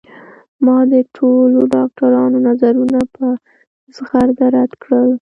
ما د ټولو ډاکترانو نظرونه په زغرده رد کړل